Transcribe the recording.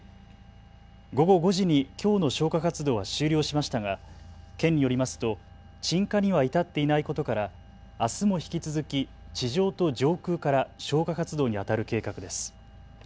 午後５時にきょうの消火活動は終了しましたが県によりますと鎮火には至っていないことからあすも引き続き地上と上空から消火活動にあたる計画です。